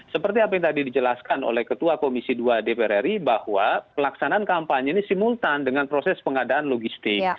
seperti apa yang tadi dijelaskan oleh ketua komisi dua dpr ri bahwa pelaksanaan kampanye ini simultan dengan proses pengadaan logistik